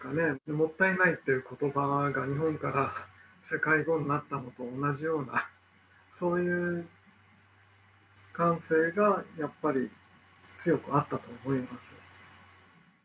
もったいないっていうことばが日本から世界語になったのと同じような、そういう感性がやっぱり強くあったと思います。